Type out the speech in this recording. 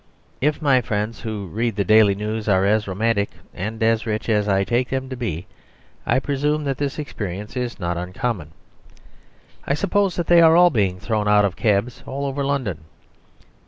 If my friends who read the DAILY NEWS are as romantic (and as rich) as I take them to be, I presume that this experience is not uncommon. I suppose that they are all being thrown out of cabs, all over London.